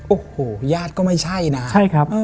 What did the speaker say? โอ้โหญาติก็ไม่ใช่นะ